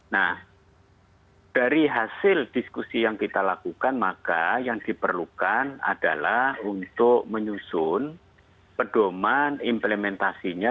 nah dari hasil diskusi yang kita lakukan maka yang diperlukan adalah untuk menyusun pedoman implementasinya